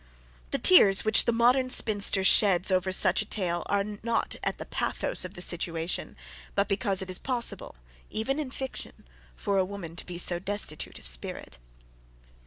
The tears which the modern spinster sheds over such a tale are not at the pathos of the situation, but because it is possible, even in fiction, for a woman to be so destitute of spirit.